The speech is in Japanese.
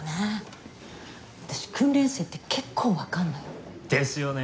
私訓練生って結構わかるのよ。ですよね。